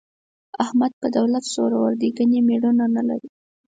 احمد په دولت زورو دی، ګني مېړونه نه لري.